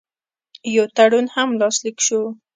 یو تړون هم لاسلیک شو.